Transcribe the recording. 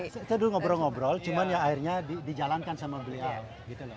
saya dulu ngobrol ngobrol cuman akhirnya dijalankan sama beliau